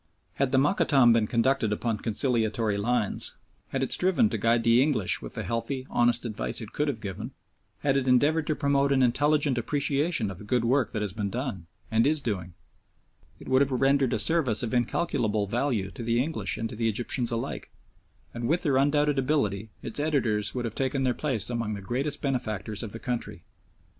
Had the Mokattam been conducted upon conciliatory lines, had it striven to guide the English with the healthy, honest advice it could have given, had it endeavoured to promote an intelligent appreciation of the good work that has been done and is doing, it would have rendered a service of incalculable value to the English and to the Egyptians alike, and with their undoubted ability its editors would have taken their place among the greatest benefactors of the country.